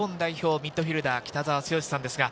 ミッドフィルダー・北澤豪さんです。